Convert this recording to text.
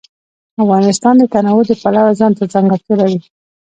افغانستان د تنوع د پلوه ځانته ځانګړتیا لري.